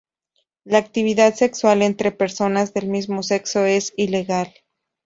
La actividad sexual entre personas del mismo sexo es ilegal.